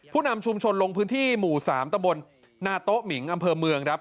นำชุมชนลงพื้นที่หมู่๓ตะบนนาโต๊ะหมิงอำเภอเมืองครับ